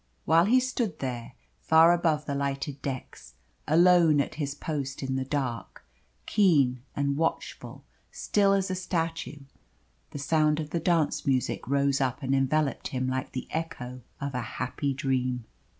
While he stood there, far above the lighted decks, alone at his post in the dark, keen and watchful, still as a statue, the sound of the dance music rose up and enveloped him like the echo of a happy dream.